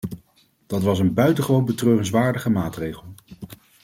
Dat was een buitengewoon betreurenswaardige maatregel.